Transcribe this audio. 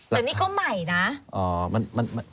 แต่นี่ก็ใหม่นะ